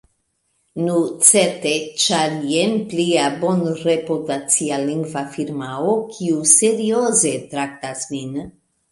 Nu, certe, ĉar jen plia bonreputacia lingva firmao kiu serioze traktas nin.